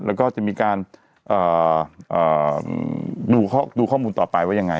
แล้วก็จะมีการเอ่อเอ่อดูข้อดูข้อมูลต่อไปว่ายังไง